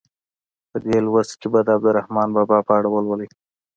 په دې لوست کې به د عبدالرحمان بابا په اړه ولولئ.